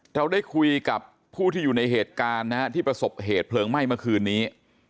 เราได้คุยกับผู้ที่อยู่ในเหตุการณ์นะฮะที่ประสบเหตุเพลิงไหม้เมื่อคืนนี้